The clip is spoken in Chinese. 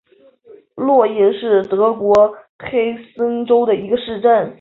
洛因是德国黑森州的一个市镇。